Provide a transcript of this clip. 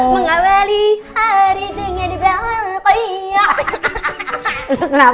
mengawali hari dengan dibawa kuyok